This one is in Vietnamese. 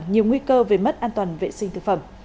nhiều nguy cơ về mất an toàn vệ sinh thực phẩm